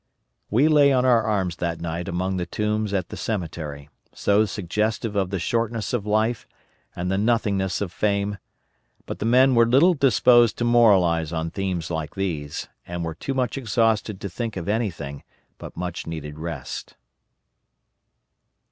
We lay on our arms that night among the tombs at the Cemetery, so suggestive of the shortness of life and the nothingness of fame; but the men were little disposed to moralize on themes like these and were too much exhausted to think of anything but much needed rest.